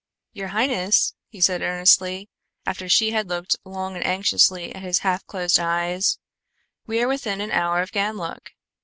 "Your highness," he said earnestly, after she had looked long and anxiously at his half closed eyes, "we are within an hour of Ganlook.